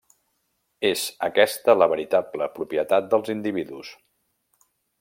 És aquesta la veritable propietat dels individus.